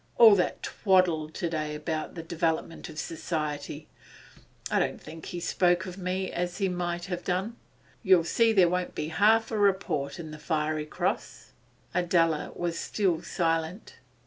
All that twaddle to day about the development of society! I don't think he spoke of me as he might have done. You'll see there won't be half a report in the "Fiery Gross."' Adela was still silent.